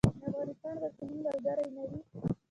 افغانستان به زموږ ملګری نه وي.